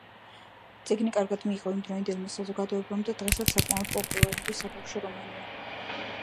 წიგნი კარგად მიიღო იმ დროინდელმა საზოგადოებამ და დღესაც საკმაოდ პოპულარული საბავშვო რომანია.